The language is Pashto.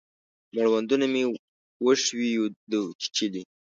مړوندونه مې وښیو دی چیچلي